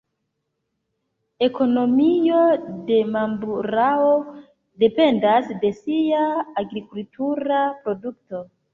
Ekonomio de Mamburao dependas de sia agrikultura produkto.